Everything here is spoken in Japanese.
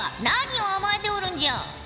何を甘えておるんじゃ！